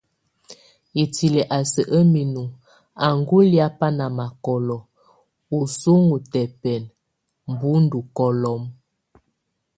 I tili a sɛk a minu, aŋó lia ba na makolo, ɔ só ŋosotɛbɛn, mbo ndokolom.